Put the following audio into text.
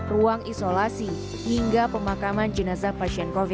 ruang isolasi hingga pemakaman jenazah pasien covid sembilan belas